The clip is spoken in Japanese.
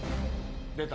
出た。